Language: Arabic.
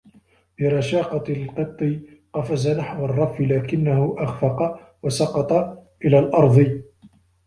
برشاقة القطّ، قفز نحو الرّف لكنّه أخفق و سقط إلى الأرض.